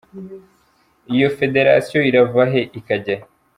Iyo federasiyo irava he ikajya he?".